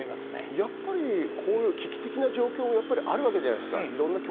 やっぱり、こういう危機的な状況あるわけじゃないですか。